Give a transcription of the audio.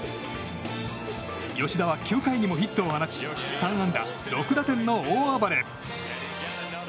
吉田は９回にもヒットを放ち３安打６打点の大暴れ。